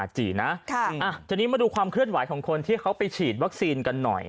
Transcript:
ทีนี้มาดูความเคลื่อนไหวของคนที่เขาไปฉีดวัคซีนกันหน่อย